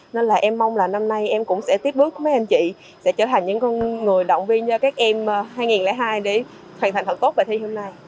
nên là em mong là năm nay em cũng sẽ tiếp bước mấy anh chị sẽ trở thành những người động viên cho các em hai nghìn hai để hoàn thành thật tốt bài thi hôm nay